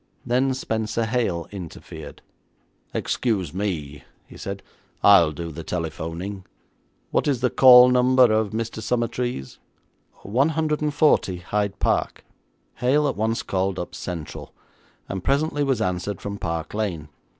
Then Spenser Hale interfered. 'Excuse me,' he said, 'I'll do the telephoning. What is the call number of Mr. Summertrees?' '140 Hyde Park.' Hale at once called up Central, and presently was answered from Park Lane.